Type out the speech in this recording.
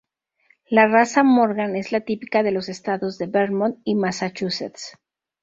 La raza Morgan es la típica de los estados de Vermont y Massachusetts.